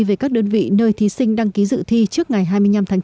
về các đơn vị nơi thí sinh đăng ký dự thi trước ngày hai mươi năm tháng chín